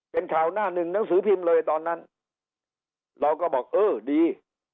เป็นข่าวหน้าหนึ่งหนังสือพิมพ์เลยตอนนั้นเราก็บอกเออดี